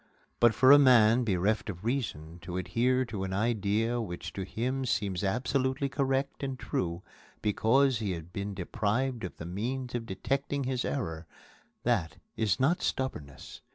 But for a man bereft of reason to adhere to an idea which to him seems absolutely correct and true because he has been deprived of the means of detecting his error that is not stubbornness.